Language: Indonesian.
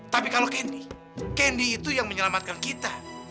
tapi kalau candy candy itu yang menyelamatkan kita